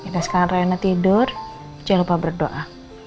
sekarang rayana tidur jangan lupa berdoa